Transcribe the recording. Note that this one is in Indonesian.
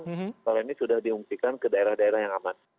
kalau ini sudah diungsikan ke daerah daerah yang aman